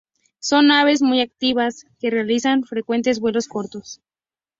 Son aves muy activas, que realizan frecuentes vuelos cortos.